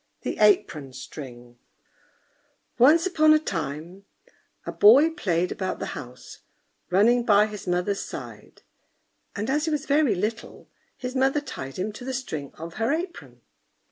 THE APRON STRING Once upon a time a boy played about the house, running by his mother's side; and as he was very little, his mother tied him to the string of her apron.